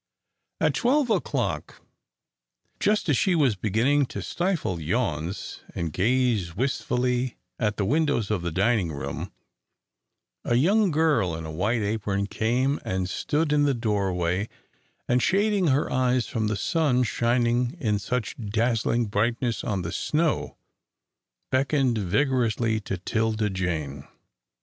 At twelve o'clock, just as she was beginning to stifle yawns, and gaze wistfully at the windows of the dining room, a young girl in a white apron came and stood in the doorway, and, shading her eyes from the sun shining in such dazzling brightness on the snow, beckoned vigorously to 'Tilda Jane.